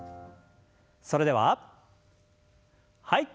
それでははい。